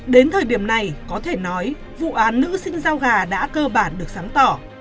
đến thời điểm này có thể nói vụ án nữ sinh giao gà đã cơ bản được sáng tỏ